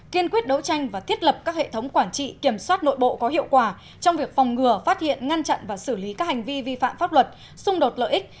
kiên quyết đấu tranh và thiết lập các hệ thống quản trị kiểm soát nội bộ có hiệu quả trong việc phòng ngừa phát hiện ngăn chặn và xử lý các hành vi vi phạm pháp luật xung đột lợi ích